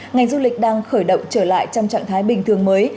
ngành du lịch đang khởi động trở lại trong trạng thái bình thường mới